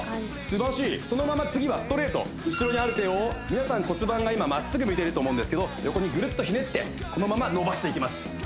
すばらしいそのまま次はストレート後ろにある手を皆さん骨盤が今まっすぐ向いてると思うんですけど横にグルッとひねってこのまま伸ばしていきます